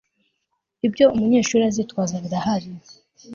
ibyo umunyeshuri azitwaza birahari